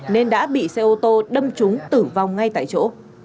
nên đã bị xe ô tô đâm trúng tử vong ngay tại chỗ